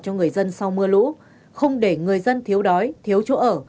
cho người dân sau mưa lũ không để người dân thiếu đói thiếu chỗ ở